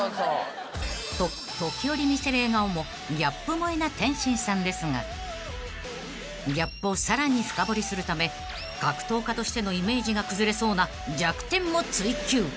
［と時折見せる笑顔もギャップ萌えな天心さんですがギャップをさらに深掘りするため格闘家としてのイメージが崩れそうな弱点も追求］